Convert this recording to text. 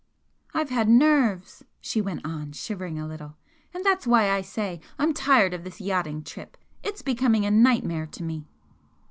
"I've had nerves," she went on, shivering a little "and that's why I say I'm tired of this yachting trip. It's becoming a nightmare to me!"